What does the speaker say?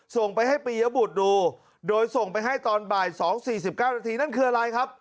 ส่งไปให้ปียบุตรดูโดยส่งไปให้ตอนบ่าย๒๔๙นาทีนั่นคืออะไรครับ